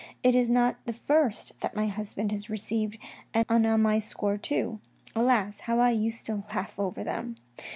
It is not the first that my husband has received, and on my score too. Alas ! how I used to laugh over them